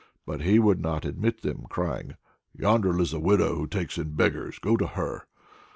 But he would not admit them, crying: "Yonder lives a widow who takes in beggars; go to her."